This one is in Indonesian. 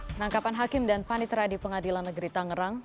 penangkapan hakim dan panitera di pengadilan negeri tangerang